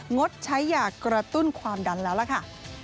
งดใช้ยากระตุ้นความดันแล้วล่ะค่ะ